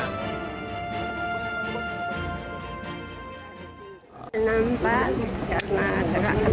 kenapa karena tidak ada tuhan